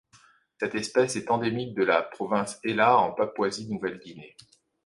Cette espèce est endémique de la province Hela en Papouasie-Nouvelle-Guinée.